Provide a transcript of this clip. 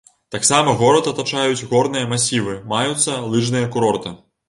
Таксама горад атачаюць горныя масівы, маюцца лыжныя курорты.